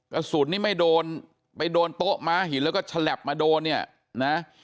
กระสุนนี่ไม่โดนไปโดนโต๊ะม้าหินแล้วก็ฉลับมาโดนเนี่ยนะ